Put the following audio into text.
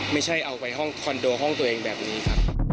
ไม่ใช่เอาไปห้องคอนโดห้องตัวเองแบบนี้ครับ